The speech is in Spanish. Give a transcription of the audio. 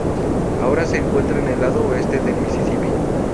Ahora se encuentra en el lado oeste del Misisipi.